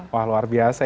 wah luar biasa